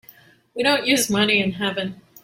We don't use money in heaven.